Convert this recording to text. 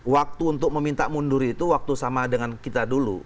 waktu untuk meminta mundur itu waktu sama dengan kita dulu